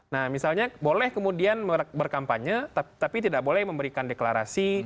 nah misalnya boleh kemudian berkampanye tapi tidak boleh memberikan deklarasi